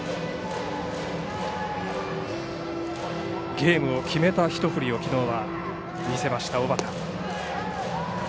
ゲームを決めた一振りをきのうは見せました小畠。